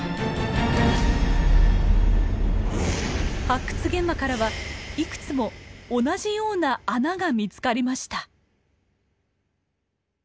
発掘現場からはいくつも同じような穴が見つかりました。